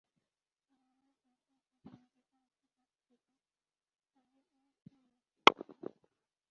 মালামাল কিনতে এসে যানজটে আটকে থেকে তাঁদের অনেক সময় নষ্ট করতে হয়।